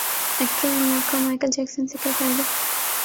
actor in law کا Michael Jackson سے کیا تعلق